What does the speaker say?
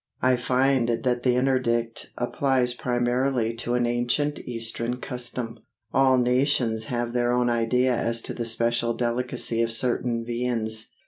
I find that the interdict applies primarily to an ancient Eastern custom. All nations have their own idea as to the special delicacy of certain viands.